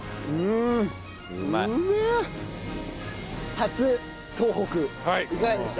初東北いかがでした？